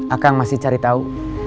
akang masih cari tahu